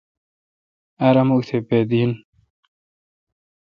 ار مک تھ بید دین۔